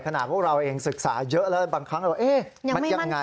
ขนาดว่าเราเองศึกษาเยอะแล้วบางครั้งแบบว่า